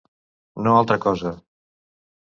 No altra cosa.